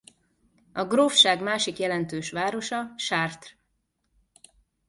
A grófság másik jelentős városa Chartres.